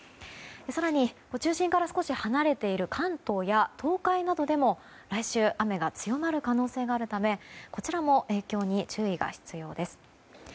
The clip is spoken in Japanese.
更に、中心から少し離れている関東や東海などでも来週雨が強まる可能性があるためこちらも影響に注意が必要です。